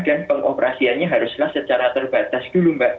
dan pengoperasiannya haruslah secara terbatas dulu mbak